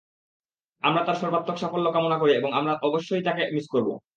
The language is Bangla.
আমরা তাঁর সর্বাত্মক সাফল্য কামনা করি এবং আমরা অবশ্যই তাঁকে মিস করব।